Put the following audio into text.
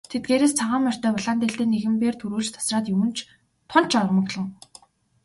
Тэдгээрээс цагаан морьтой улаан дээлтэй нэгэн бээр түрүүлж тасраад тун ч омголон.